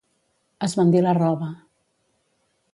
Esbandir la roba.